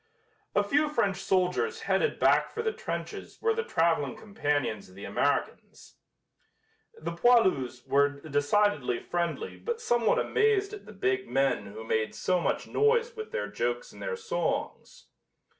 A few French soldiers headed back for the trenches were the traveling companions of the Americans. The poilus were decidedly friendly but somewhat amazed at the big men who made so much noise with their jokes and their songs.